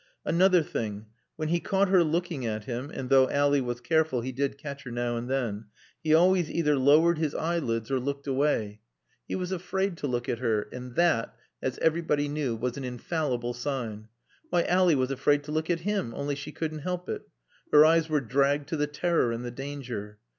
Another thing when he caught her looking at him (and though Ally was careful he did catch her now and then) he always either lowered his eyelids or looked away. He was afraid to look at her; and that, as everybody knew, was an infallible sign. Why, Ally was afraid to look at him, only she couldn't help it. Her eyes were dragged to the terror and the danger.